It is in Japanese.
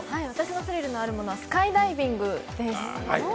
私のスリルのあるものはスカイダイビングです。